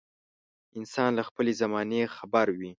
انسان له خپلې زمانې خبر وي.